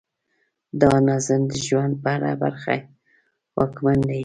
دا نظم د ژوند په هره برخه واکمن دی.